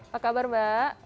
apa kabar mbak